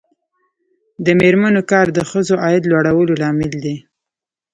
د میرمنو کار د ښځو عاید لوړولو لامل دی.